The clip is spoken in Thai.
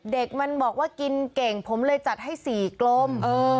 เด็กมันบอกว่ากินเก่งผมเลยจัดให้๔กลม